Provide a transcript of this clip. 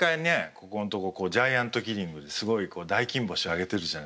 ここのとこジャイアントキリングですごい大金星を挙げてるじゃないですか。